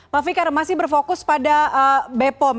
pak fikar masih berfokus pada bepom